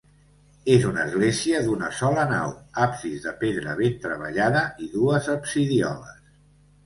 És una església duna sola nau, absis de pedra ben treballada i dues absidioles.